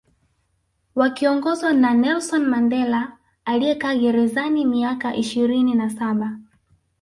Wakiongozwa na Nelson Mandela aliyekaa gerezani miaka ishirini na Saba